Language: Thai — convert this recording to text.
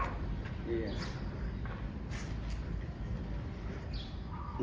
กลับไปเลยไป